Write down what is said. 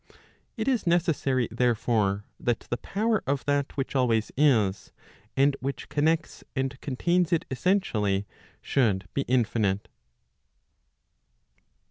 It is necessary, therefore, that the power of that which always is, and which connects and contains it essentially, should be infinite.